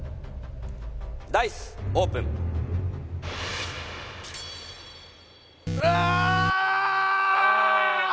ダイスオープンああっ！